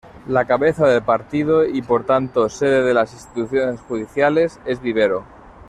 La cabeza de partido y por tanto sede de las instituciones judiciales es Vivero.